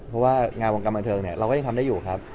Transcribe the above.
เพราะว่างานวงการบันเทิงเราก็ยังทำได้อยู่ครับ